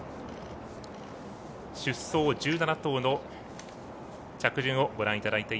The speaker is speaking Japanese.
出走１７頭の着順です。